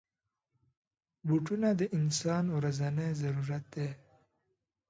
بوټونه د انسان ورځنی ضرورت دی.